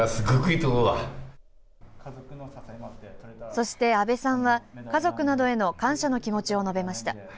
そして阿部さんは家族などへの感謝の気持ちを述べました。